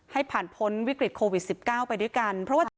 ให้ผ่านพ้นวิกฤตโควิดสิบเก้าไปด้วยกันเพราะว่า